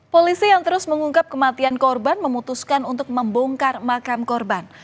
polisi yang terus mengungkap kematian korban memutuskan untuk membongkar makam korban